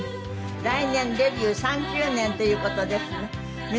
来年デビュー３０年という事ですね。